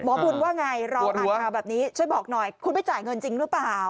บุญว่าไงเราอ่านข่าวแบบนี้ช่วยบอกหน่อยคุณไม่จ่ายเงินจริงหรือเปล่า